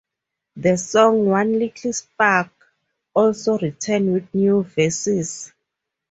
The song "One Little Spark" also returned with new verses.